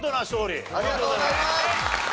ありがとうございます。